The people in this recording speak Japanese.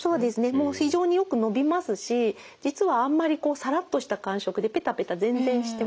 もう非常によくのびますし実はあんまりこうサラッとした感触でペタペタ全然してません。